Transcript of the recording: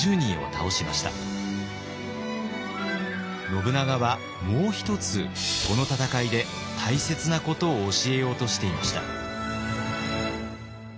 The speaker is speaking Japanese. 信長はもう一つこの戦いで大切なことを教えようとしていました。